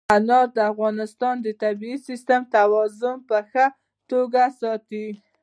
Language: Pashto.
انار د افغانستان د طبعي سیسټم توازن په ښه توګه ساتي.